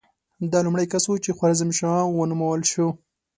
ده لومړی کس و چې خوارزم شاه ونومول شو.